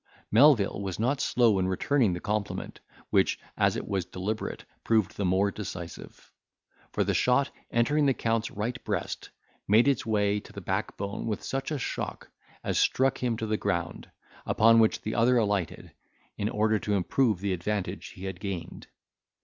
Melvil was not slow in returning the compliment, which, as it was deliberate, proved the more decisive. For the shot entering the Count's right breast, made its way to the backbone with such a shock, as struck him to the ground; upon which the other alighted, in order to improve the advantage he had gained.